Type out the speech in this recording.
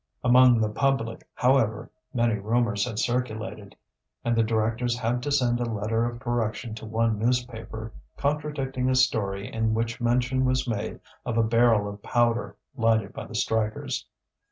Among the public, however, many rumours had circulated, and the directors had to send a letter of correction to one newspaper, contradicting a story in which mention was made of a barrel of powder lighted by the strikers.